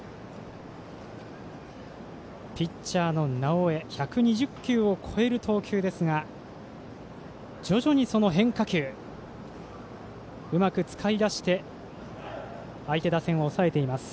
ピッチャーの直江１２０球を超える投球ですが徐々に、その変化球うまく使いだして相手打線を抑えています。